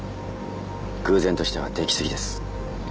偶然としては出来すぎです。